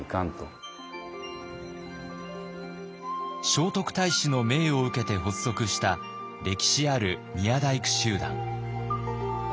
聖徳太子の命を受けて発足した歴史ある宮大工集団。